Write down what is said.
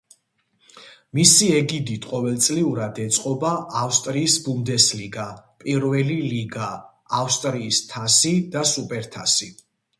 მისი ეგიდით ყოველწლიურად ეწყობა ავსტრიის ბუნდესლიგა, პირველი ლიგა, ავსტრიის თასი და სუპერთასი.